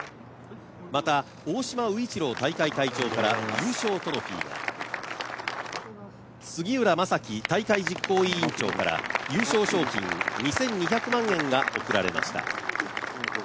また大島大会会長から優勝トロフィーが、すぎうら大会実行委員長から優勝賞金２２００万円が贈られました。